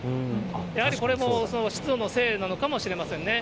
やはりこれも湿度のせいなのかもしれませんね。